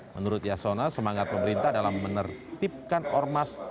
menurut yasona semangat pemerintah dalam menertibkan ormas